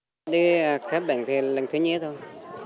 từ ngày xưa đến giờ thì anh có biết mình bị bệnh gì không